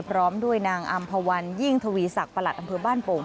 พร้อมด้วยนางอำภาวันยิ่งทวีศักดิ์ประหลัดอำเภอบ้านโป่ง